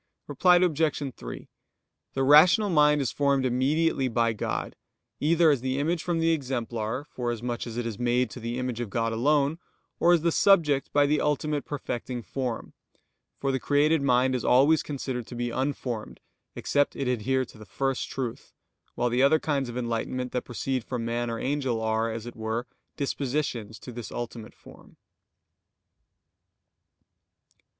Reply Obj. 3: The rational mind is formed immediately by God, either as the image from the exemplar, forasmuch as it is made to the image of God alone; or as the subject by the ultimate perfecting form: for the created mind is always considered to be unformed, except it adhere to the first truth; while the other kinds of enlightenment that proceed from man or angel, are, as it were, dispositions to this ultimate form.